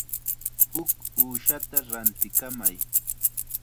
Huk uushata rantikamay.